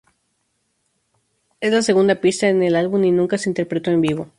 Es la segunda pista en el álbum y nunca se interpretó en vivo.